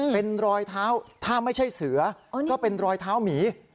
เป็นรอยเท้าถ้าไม่ใช่เสือก็เป็นรอยเท้าหมี